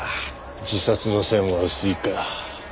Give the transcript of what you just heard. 自殺の線は薄いか。